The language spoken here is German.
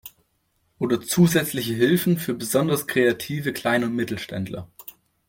Oder zusätzliche Hilfen für besonders kreative Klein- und Mittelständler.